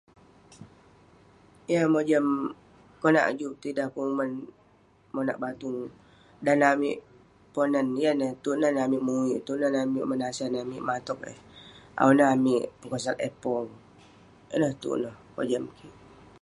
Yeng akouk mojam, konak juk petidah penguman monak batung. Dan neh amik Ponan, yan neh tuk nan neh amik muik, tuk nan neh amik menasan, amik matog eh, awu ineh amik pekosag eh pong. Ineh tuk neh kojam kik.